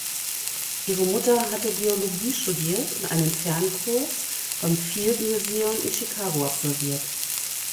Ihre Mutter hatte Geologie studiert und einen Fernkurs beim Field Museum in Chicago absolviert.